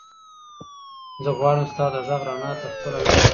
زه غواړم ستا د غږ رڼا ته خپله لاره پیدا کړم.